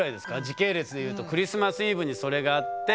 時系列でいうとクリスマスイブにそれがあって。